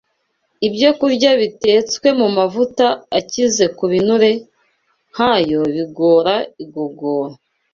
Ibyokurya bitetswe mu mavuta akize ku binure nk’ayo bigora igogora